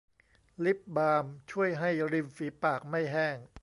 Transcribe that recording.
ลิปบาล์มช่วยให้ริมฝีปากไม่แห้ง